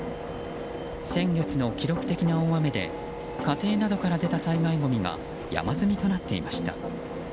先月の記録的な大雨で家庭などから出た災害ごみが山積みとなっていました。